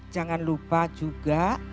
jangan lupa juga